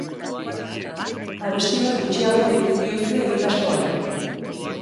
Abesti bat gutxiago deitu diozue egitasmoari.